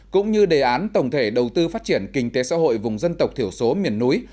cũng như đề án tổng thể đầu tư phát triển kinh tế xã hội vùng dân tộc thiểu số miền núi